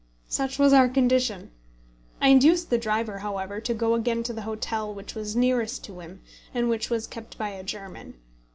Such was our condition. I induced the driver, however, to go again to the hotel which was nearest to him, and which was kept by a German.